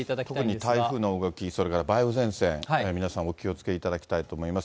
特に台風の動き、それから梅雨前線、皆さんお気をつけいただきたいと思います。